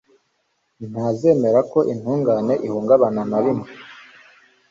ntazemera ko intungane ihungabana na rimwe